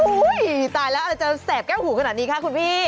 อุ้ยตายแล้วจะแสบแก้วหัวขนาดนี้ค่ะคุณพี่